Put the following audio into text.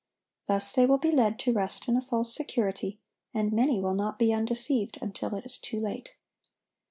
Thus they will be led to rest in a false security, and many will not be undeceived until it is too late.